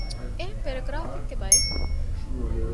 އެހެން ޕެރެގުރާފެއްގެ ބައެއް